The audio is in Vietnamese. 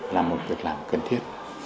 là một việc làm cần thiết